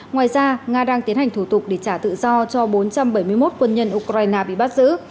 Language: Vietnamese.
ngoài ra nga đang tiến hành thủ tục để trả tự do cho bốn trăm bảy mươi một quân nhân ukraine bị bắt giữ